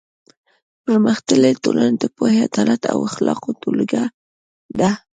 پرمختللې ټولنه د پوهې، عدالت او اخلاقو ټولګه ده.